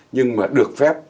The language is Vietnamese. nhưng mà được phép